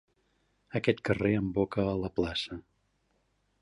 Aquest carrer emboca a la plaça.